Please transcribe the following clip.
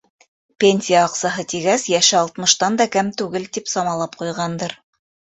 Пенсия аҡсаһы тигәс, йәше алтмыштан да кәм түгел, тип самалап ҡуйғандыр.